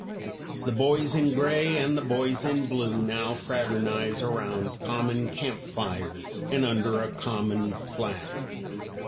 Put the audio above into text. The boys in gray and the boys in blue now fraternize around common campfires and under a common flag.